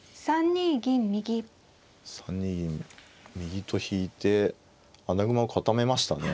３二銀右と引いて穴熊を固めましたね。